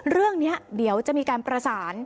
เรื่องนี้เดี๋ยวจะมีการประสาน